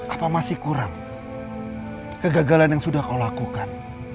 apa masih kurang kegagalan yang sudah kau lakukan